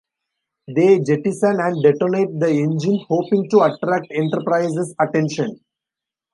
They jettison and detonate the engine, hoping to attract "Enterprise"s attention.